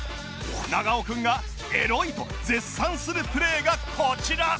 長尾君がエロいと絶賛するプレーがこちら